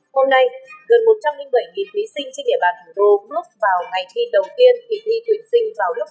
hôm nay gần một trăm linh bảy thí sinh trên địa bàn thủ đô group vào ngày thi đầu tiên kỳ thi thuyền sinh vào lớp một mươi